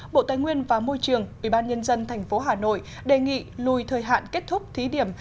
bộ tài nguyên và môi trường ubnd tp hà nội đề nghị lùi thời hạn kết thúc thí điểm